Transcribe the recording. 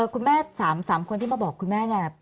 คุณแม่๓คนที่มาบอกคุณแม่เนี่ย